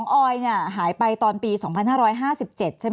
แอนตาซินเยลโรคกระเพาะอาหารท้องอืดจุกเสียดแสบร้อน